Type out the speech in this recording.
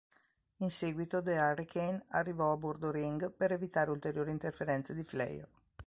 In seguito, The Hurricane arrivò a bordo ring per evitare ulteriori interferenze di Flair.